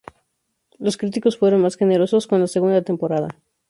Los críticos fueron más generosos con la segunda temporada.